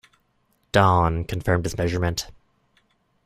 "Dawn" confirmed this measurement.